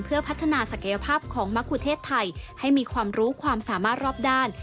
เพื่อพัฒนาศักยภาพของมะคุเทศไทยให้มีความรู้ความสามารถรอบด้าน